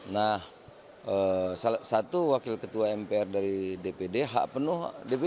nah satu wakil ketua mpr dari dpd hak penuh dpd